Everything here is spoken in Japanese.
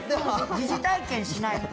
疑似体験しないと。